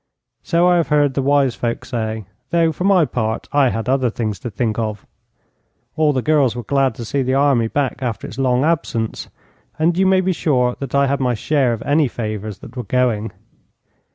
So I have heard the wise folk say, though for my part I had other things to think of. All the girls were glad to see the army back after its long absence, and you may be sure that I had my share of any favours that were going.